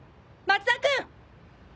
松田君！